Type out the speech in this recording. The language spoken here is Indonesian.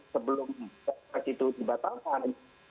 sebelum kesitu dibatalkan